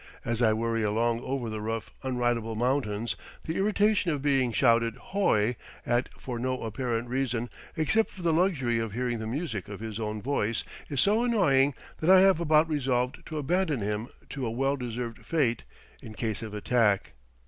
As I worry along over the rough, unridable mountains, the irritation of being shouted "hoi!" at for no apparent reason, except for the luxury of hearing the music of his own voice, is so annoying that I have about resolved to abandon him to a well deserved fate, in case of attack.